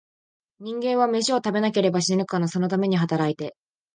人間は、めしを食べなければ死ぬから、そのために働いて、